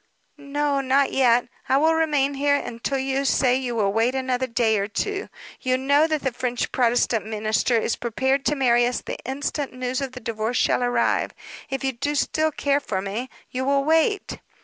"No, not yet. I will remain here until you say you will wait another day or two. You know that the French Protestant minister is prepared to marry us the instant news of the divorce shall arrive; if you do care still for me, you will wait."